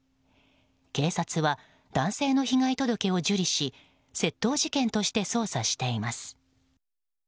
警察は男性の被害届を受理し窃盗事件として捜査しています。